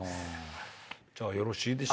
じゃあよろしい。